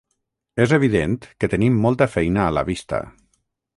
És evident que tenim molta feina a la vista.